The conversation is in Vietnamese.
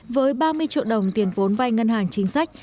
với ba mươi triệu đồng tiền vốn vay ngân hàng chính sách